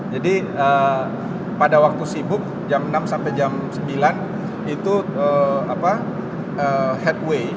jadi pada waktu sibuk jam enam sampai jam sembilan itu headway